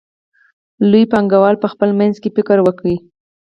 لویو پانګوالو په خپل منځ کې فکر وکړ